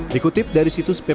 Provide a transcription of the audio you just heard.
dikutip dari situs perbualan